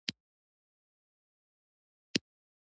چا ته باسواده يا د زده کړو لرونکی ويلی شو؟